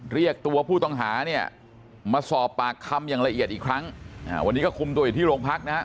เรียกตัวผู้ต้องหาเนี่ยมาสอบปากคำอย่างละเอียดอีกครั้งวันนี้ก็คุมตัวอยู่ที่โรงพักนะฮะ